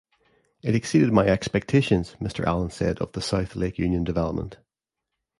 "It's exceeded my expectations," Mr. Allen said of the South Lake Union development.